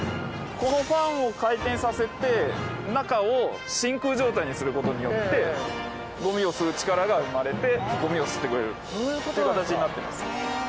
このファンを回転させて中を真空状態にすることによってゴミを吸う力が生まれてゴミを吸ってくれるという形になってます。